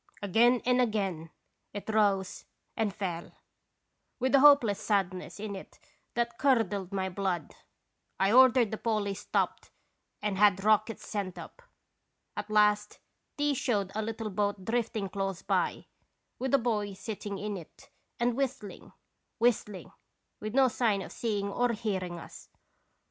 " Again and again it rose and fell, with a hopeless sadness in it that curdled my blood. I ordered the Polly stopped and had rockets sent up. At last these showed a little boat drifting close by, with a boy sitting in it and whistling, whistling, with no sign of seeing or hearing us.